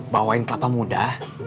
bawain kelapa muda